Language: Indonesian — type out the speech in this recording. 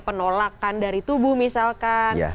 penolakan dari tubuh misalkan